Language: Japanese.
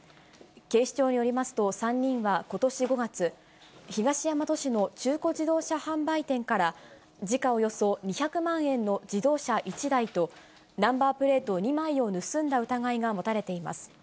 警視庁によりますと、３人はことし５月、東大和市の中古自動車販売店から、時価およそ２００万円の自動車１台と、ナンバープレート２枚を盗んだ疑いが持たれています。